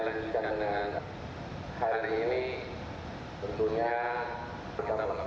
berkata kata kata saya yuk beri